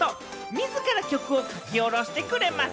自ら曲を書き下ろしてくれます。